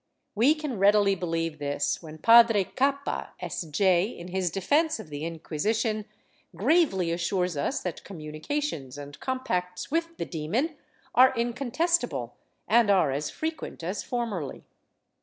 ^ We can readily believe this when Padre Cappa, S. J., in his defence of the Inquisition, gravely assures us that communications and compacts with the demon are incontestable and are as frequent as formerly.